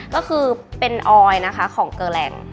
ก็คือเป็นออยล์นะคะของเกอแรง